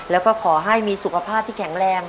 แล้วก็ขอให้มีสุขภาพที่แข็งแรง